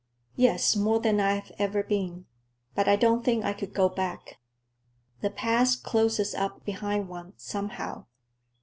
"Yes; more than I've ever been. But I don't think I could go back. The past closes up behind one, somehow.